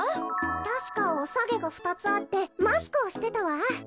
たしかおさげがふたつあってマスクをしてたわ。